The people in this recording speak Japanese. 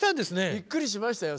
びっくりしましたよ